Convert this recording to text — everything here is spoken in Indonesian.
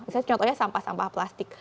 misalnya contohnya sampah sampah plastik